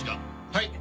はい。